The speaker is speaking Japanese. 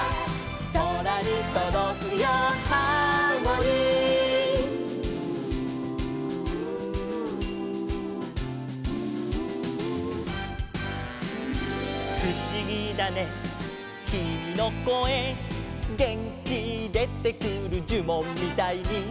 「そらにとどくよハーモニー」「ふしぎだねきみのこえ」「げんきでてくるじゅもんみたいに」